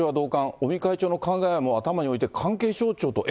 尾身会長の考えも頭に置いて、関係省庁と、え？